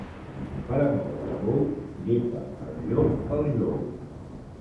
Per amor del bou llepa el llop el jou.